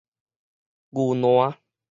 牛欄